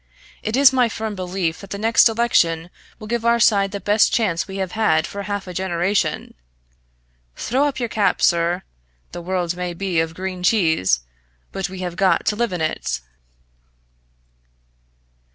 It is my firm belief that the next election will give our side the best chance we have had for half a generation. Throw up your cap, sir! The world may be made of green cheese, but we have got to live in it!"